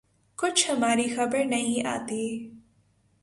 کچھ ہماری خبر نہیں آتی